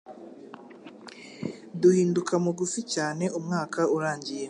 Duhinduka mugufi cyane umwaka urangiye.